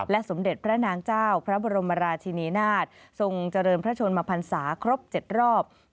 สมเด็จพระนางเจ้าพระบรมราชินีนาฏทรงเจริญพระชนมพันศาครบ๗รอบ